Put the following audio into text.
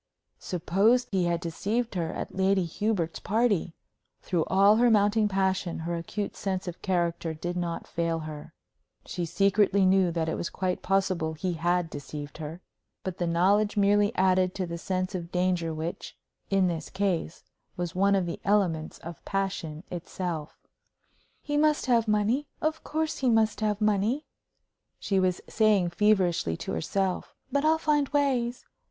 Suppose he had deceived her at Lady Hubert's party! Through all her mounting passion her acute sense of character did not fail her. She secretly knew that it was quite possible he had deceived her. But the knowledge merely added to the sense of danger which, in this case, was one of the elements of passion itself. "He must have money of course he must have money," she was saying, feverishly, to herself. "But I'll find ways.